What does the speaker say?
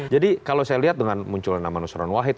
jadi kalau saya lihat dengan muncul nama nusron wahid